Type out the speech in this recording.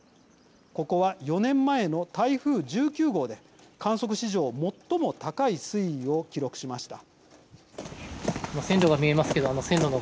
ここは４年前の台風１９号で観測史上最も高い水位を記録しました。